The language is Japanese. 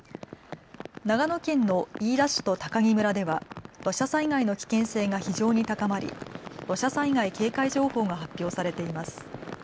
長野県の飯田市と喬木村では土砂災害の危険性が非常に高まり土砂災害警戒情報が発表されています。